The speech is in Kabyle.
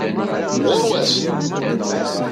Ɣuṛwat!